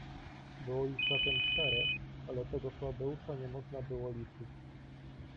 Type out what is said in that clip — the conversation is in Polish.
"Było ich zatem czterech, ale tego słabeusza nie można było liczyć."